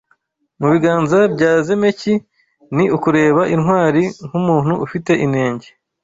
Mu biganza bya Zemeki ni ukureba intwari nkumuntu ufite inenge